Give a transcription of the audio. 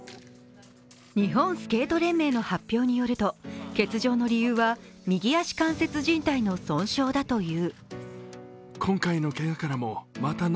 日本スケート連盟の発表によると欠場の理由は右足関節じん帯の損傷だという。